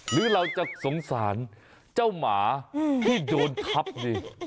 หรือเราจะสงสารเจ้าหมาที่โดนทับนี่